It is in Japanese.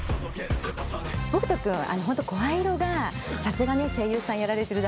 北斗君本当声色がさすが声優さんやられてるだけ。